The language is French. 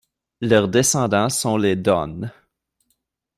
Leurs descendants sont les Dönme.